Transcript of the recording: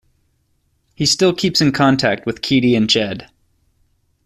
He still keeps in contact with Keaty and Jed.